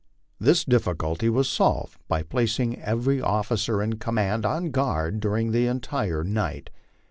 This difficulty was solved by placing every officer in the command on guard during the entire night.